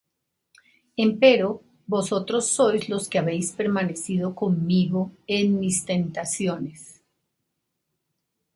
Empero vosotros sois los que habéis permanecido conmigo en mis tentaciones: